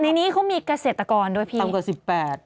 ในนี้เขามีเกษตรกรด้วยพี่ทำกว่า๑๘ต้นเตอร์